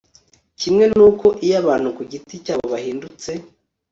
kimwe nuko iyo abantu ku giti cyabo bahindutse